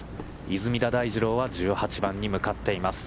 出水田大二郎は１８番に向かっています。